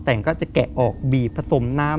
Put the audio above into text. แต่งก็จะแกะออกบีบผสมน้ำ